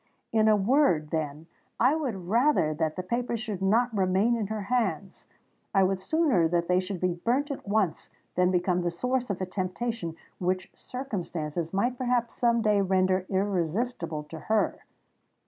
In a word, then, I would rather that the papers should not remain in her hands—I would sooner that they should be burnt at once than become the source of a temptation which circumstances might perhaps some day render irresistible to her.